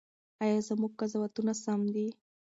ایا زموږ قضاوتونه سم دي؟